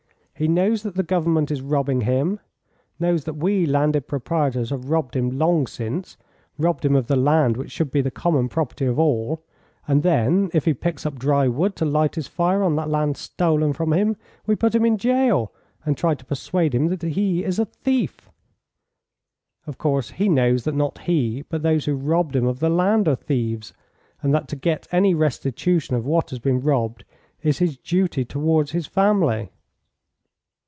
"He knows that the Government is robbing him, knows that we landed proprietors have robbed him long since, robbed him of the land which should be the common property of all, and then, if he picks up dry wood to light his fire on that land stolen from him, we put him in jail, and try to persuade him that he is a thief. Of course he knows that not he but those who robbed him of the land are thieves, and that to get any restitution of what has been robbed is his duty towards his family."